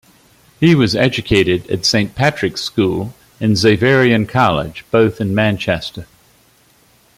He was educated at Saint Patrick's School and Xaverian College, both in Manchester.